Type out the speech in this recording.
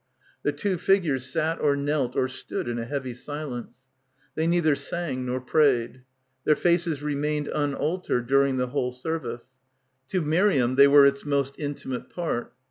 The two figures sat or knelt or stood in a heavy silence. They neither sang nor prayed. Their faces remained unaltered during the whole service. To Miriam they were its most intimate part.